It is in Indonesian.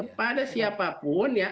kepada siapapun ya